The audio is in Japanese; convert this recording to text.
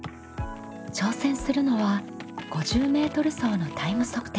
挑戦するのは５０ｍ走のタイム測定。